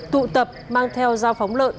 tụ tập mang theo giao phóng lợn